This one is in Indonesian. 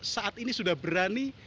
saat ini sudah berani